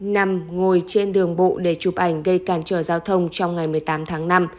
nằm ngồi trên đường bộ để chụp ảnh gây cản trở giao thông trong ngày một mươi tám tháng năm